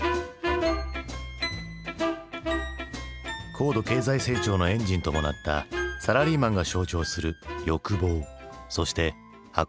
高度経済成長のエンジンともなったサラリーマンが象徴する欲望そして憧れ。